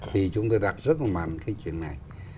thì chúng tôi đặt rất là cái chuyện này